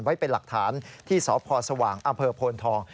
ไว้เป็นหลักฐานที่สพสว่างอำเภอโพนทอง